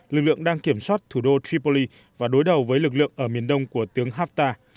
lực lượng đang kiểm soát thủ đô tripoli và đối đầu với lực lượng ở miền đông của tướng haftta